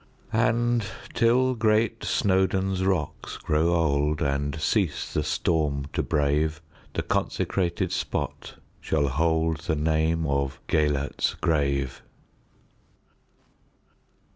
And, till great Snowdon's rocks grow old, And cease the storm to brave, The consecrated spot shall holdThe name of "Gêlert's Grave."